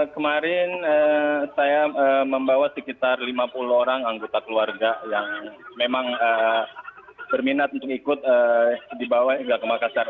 kemarin saya membawa sekitar lima puluh orang anggota keluarga yang memang berminat untuk ikut dibawa ke makassar